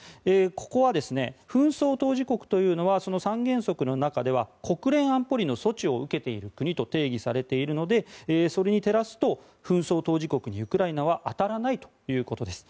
ここは紛争当事国というのは３原則の中では国連安保理の措置を受けている国と定義されているのでそれに照らすと紛争当事国にウクライナは当たらないということです。